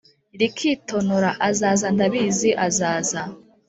rikitonora azaza ndabizi azaza.